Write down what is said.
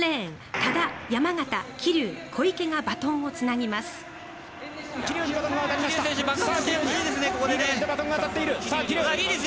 多田、山縣、桐生、小池がバトンをつなぎます。